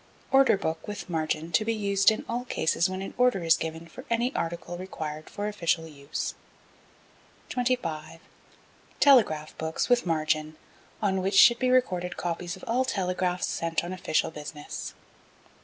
Order Book with margin to be used in all cases when an order is given for any article required for official use. 25. Telegraph Books with margin, on which should be recorded copies of all telegraphs sent on official business.